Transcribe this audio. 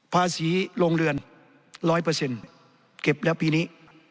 ภาษีโรงเรือนร้อยเปอร์เซ็นต์เก็บแล้วปีนี้